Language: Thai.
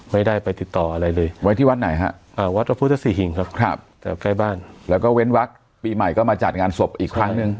ไม่ได้ไปติดต่ออะไรเลยไว้ที่วัดไหนฮะวัดพระพุทธศรีหิงครับแต่ใกล้บ้านแล้วก็เว้นวักปีใหม่ก็มาจัดงานศพอีกครั้งหนึ่ง